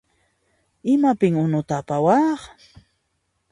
Imapin unuta apawaq?